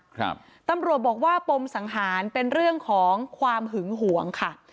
ครับตำรวจบอกว่าปมสังหารเป็นเรื่องของความหึงหวงค่ะ